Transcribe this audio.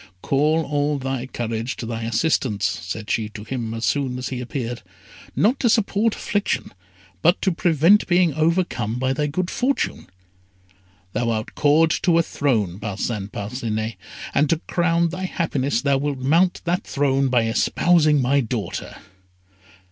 "Call all thy courage to thy assistance," said she to him as soon as he appeared "not to support affliction, but to prevent being overcome by thy good fortune. Thou art called to a throne, Parcin Parcinet, and to crown thy happiness, thou wilt mount that throne by espousing my daughter."